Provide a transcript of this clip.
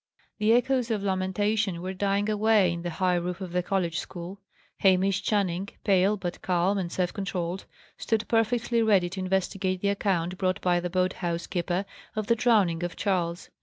The echoes of lamentation were dying away in the high roof of the college school. Hamish Channing, pale, but calm and self controlled, stood perfectly ready to investigate the account brought by the boat house keeper of the drowning of Charles.